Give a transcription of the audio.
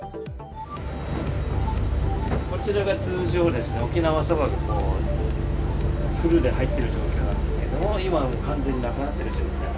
こちらが通常ですね、沖縄そばがフルで入っている状況なんですけれども、今は完全になくなっている状態。